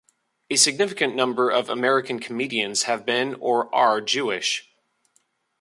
A significant number of American comedians have been or are Jewish.